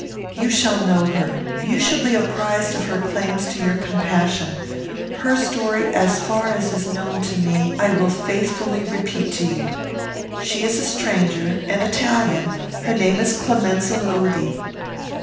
"You shall know her. You shall be apprized of her claims to your compassion. Her story, as far as is known to me, I will faithfully repeat to you. She is a stranger; an Italian; her name is Clemenza Lodi."